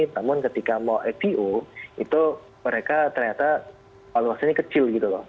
namun ketika mau ipo itu mereka ternyata valuasinya kecil gitu loh